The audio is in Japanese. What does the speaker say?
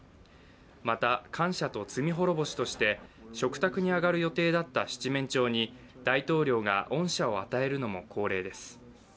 また感謝と罪滅ぼしとして、食卓に上がる予定だった七面鳥に大統領が恩赦を与えるのも恒例です。